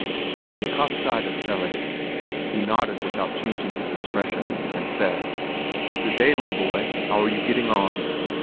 When he caught sight of Pelle, he nodded without changing his expression, and said: "Good day, my boy! How are you getting on?"